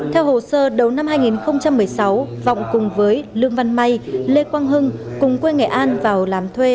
theo hồ sơ đầu năm hai nghìn một mươi sáu vọng cùng với lương văn may lê quang hưng cùng quê nghệ an vào làm thuê